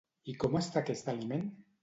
I com està aquest aliment?